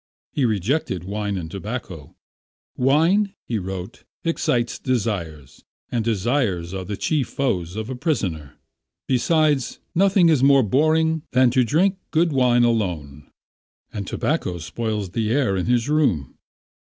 He rejected wine and tobacco. "Wine," he wrote, "excites desires, and desires are the chief foes of a prisoner; besides, nothing is more boring than to drink good wine alone," and tobacco spoils the air in his room.